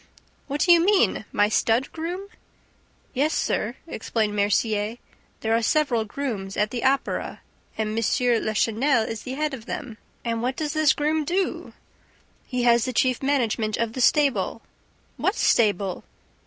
"What do you mean? My stud groom?" "Yes, sir," explained Mercier, "there are several grooms at the Opera and M. Lachenel is at the head of them." "And what does this groom do?" "He has the chief management of the stable." "What stable?"